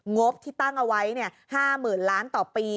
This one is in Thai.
งบที่ตั้งเอาไว้๕๐๐๐ล้านต่อปี